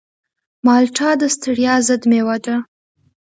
مالټه د ستړیا ضد مېوه ده.